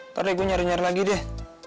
ntar deh gue nyari nyari lagi deh